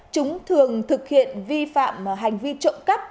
chúng thường thực hiện vi phạm hành vi trộm cắp